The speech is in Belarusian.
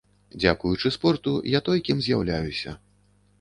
Дзякуючы спорту я той, кім з'яўляюся.